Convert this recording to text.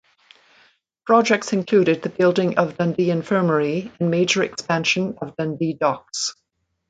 Projects included the building of Dundee Infirmary and major expansion of Dundee docks.